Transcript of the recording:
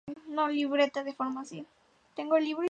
Dado que es un sector retirado, es usado como playa nudista.